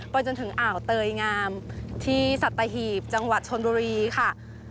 จนถึงอ่าวเตยงามที่สัตหีบจังหวัดชนบุรีค่ะ